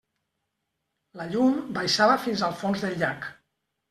La llum baixava fins al fons del llac.